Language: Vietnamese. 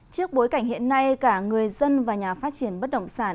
trước bối cảnh hiện nay cả người dân và nhà phát triển bất động sản